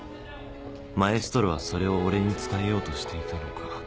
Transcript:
マエストロはそれを俺に伝えようとしていたのか？